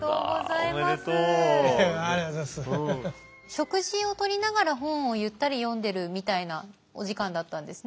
食事をとりながら本をゆったり読んでるみたいなお時間だったんですね。